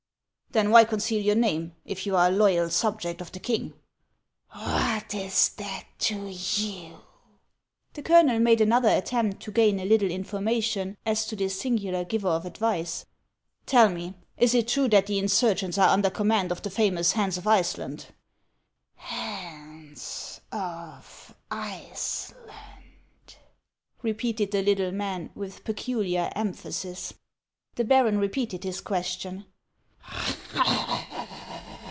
" Then why conceal your name, if you are a loyal subject of the king ?"" What is that to you ?" The colonel made another attempt to gain a little infor mation as to this singular giver of advice. " Tell me. is it true that the insurgents are under command of the famous Hans of Iceland ?"" Hans of Iceland !" repeated the little man, with peculiar emphasis. The baron repeated his question.